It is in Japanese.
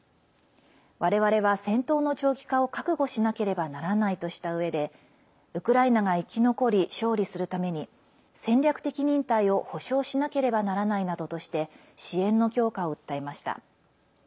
われわれは戦闘の長期化を覚悟しなければならないとしたうえでウクライナが生き残り勝利するために戦略的忍耐を保証しなければならないなどとして支援の強化を訴えました。